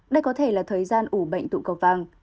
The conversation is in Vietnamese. đây có thể là thời gian ủ bệnh tụ cầu vàng